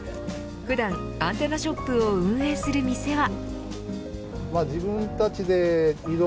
普段アンテナショップを運営する店は。